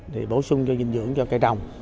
thì bổ sung cho dinh dưỡng cho cây trồng